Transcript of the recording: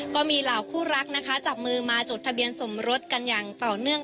ก็มีเหล่าคู่รักนะคะจับมือมาจดทะเบียนสมรสกันอย่างต่อเนื่อง